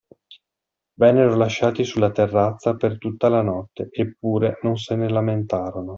Vennero lasciati sulla terrazza per tutta la notte, eppure non se ne lamentarono.